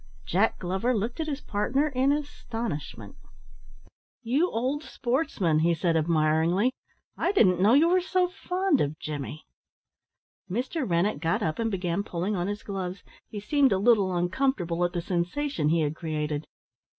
Jack Glover looked at his partner in astonishment. "You old sportsman!" he said admiringly. "I didn't know you were so fond of Jimmy?" Mr. Rennett got up and began pulling on his gloves. He seemed a little uncomfortable at the sensation he had created.